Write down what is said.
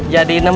jadi rp enam